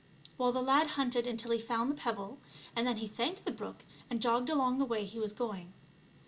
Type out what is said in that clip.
Well, the lad hunted until he found the pebble, and then he thanked the brook and jogged along the way he was going.